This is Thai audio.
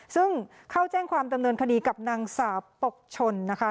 ซึ่งเข้าแจ้งความดำเนินคดีกับนางสาวปกชนนะคะ